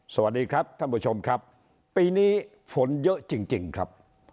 สวัสดีครับท่านผู้ชมครับปีนี้ฝนเยอะจริงครับ